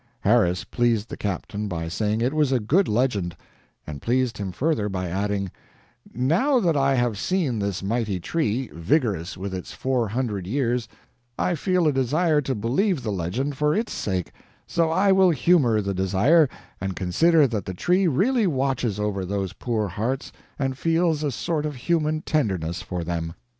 Harris pleased the captain by saying it was good legend; and pleased him further by adding: "Now that I have seen this mighty tree, vigorous with its four hundred years, I feel a desire to believe the legend for ITS sake; so I will humor the desire, and consider that the tree really watches over those poor hearts and feels a sort of human tenderness for them."